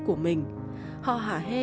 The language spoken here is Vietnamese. của mình họ hạ hê